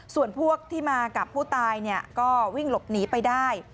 ส่วนพวกที่มากับผู้ตายก็วิ่งหลบหนีไปได้